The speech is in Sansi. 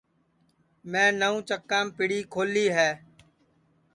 میں نوں چکام پیڑی کھولی ہے